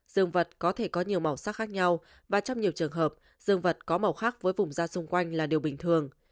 dương vật có thể có nhiều màu sắc khác nhau và trong nhiều trường hợp dương vật có màu khác với vùng da xung quanh là điều bình thường